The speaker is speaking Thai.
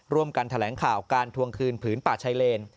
ร่วมกันแถลงข่าวการทวงคืนผืนป่าชายเลน